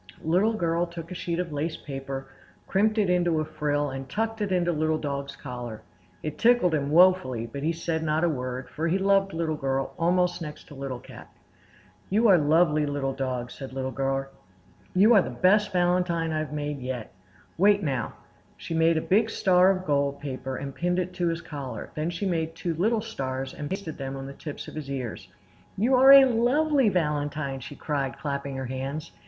Little Girl took a sheet of lace paper, crimped it into a frill, and tucked it into Little Dog's collar. It tickled him woefully, but he said not a word, for he loved Little Girl almost next to Little Cat. "You are lovely, Little Dog!" said Little Girl. "You are the best valentine I have made yet. Wait now!" She made a big star of gold paper and pinned it to his collar; then she made two little stars and pasted them on the tips of his ears. "You are a lovely valentine!" she cried, clapping her hands.